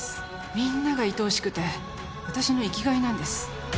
みんながいとおしくて私の生きがいなんです。